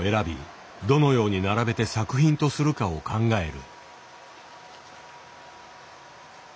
どのように並べて作品とするかを考える。